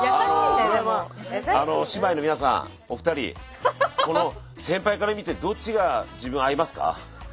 姉妹の皆さんお二人先輩から見てどっちが自分合いますか？